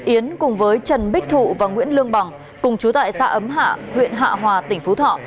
yến cùng với trần bích thụ và nguyễn lương bằng cùng chú tại xã ấm hạ huyện hạ hòa tỉnh phú thọ